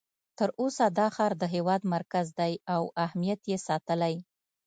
تر اوسه دا ښار د هېواد مرکز دی او اهمیت یې ساتلی.